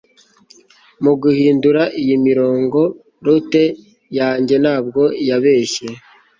muguhindura iyi mirongo, lute yanjye ntabwo yabeshye